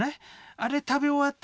あれ食べ終わった